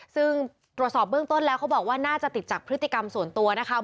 ซึ่งตรวจสอบเบื้องต้นแล้วเขาบอกว่าน่าจะติดจากพฤติกรรมส่วนตัวนะคะ